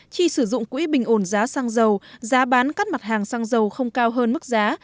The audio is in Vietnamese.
chi sử dụng quỹ bình ổn giá xăng dầu giá bán các mặt hàng xăng dầu không cao hơn mức giá